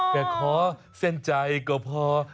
แต่ขอเส้นใจก็พอ